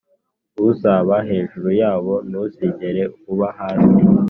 uzaba hejuru yabo, ntuzigera uba hasi.